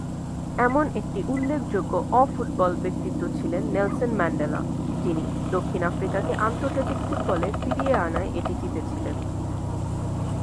এমন একটি উল্লেখযোগ্য অ-ফুটবল ব্যক্তিত্ব ছিলেন নেলসন ম্যান্ডেলা যিনি দক্ষিণ আফ্রিকাকে আন্তর্জাতিক ফুটবলে ফিরিয়ে আনায় এটি জিতেছিলেন।